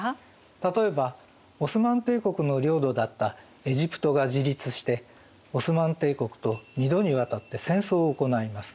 例えばオスマン帝国の領土だったエジプトが自立してオスマン帝国と二度にわたって戦争を行います。